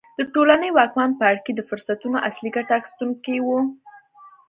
د ټولنې واکمن پاړکي د فرصتونو اصلي ګټه اخیستونکي وو.